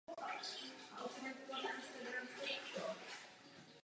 Nyní se skládá z hudebníků od severního Slezska až po nejjižnější kouty Moravy.